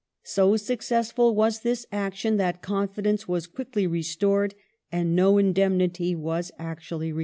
So successful was this action that confidence was quickly restored, and no in demnity was actually required.